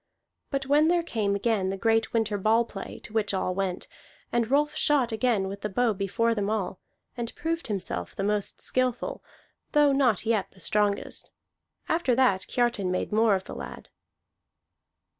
But when there came again the great winter ball play, to which all went, and Rolf shot again with the bow before them all, and proved himself the most skilful, though not yet the strongest: after that Kiartan made more of the lad.